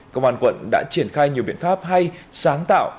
công an quận đã triển khai nhiều biện pháp hay sáng tạo